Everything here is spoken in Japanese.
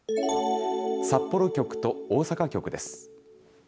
札幌局と大阪局です。